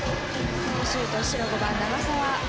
シュート白５番長澤。